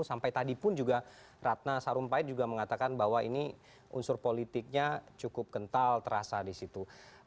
sampai tadi pun juga ratna sarumpait juga mengatakan bahwa ini unsur politiknya cukup kental terasa di situ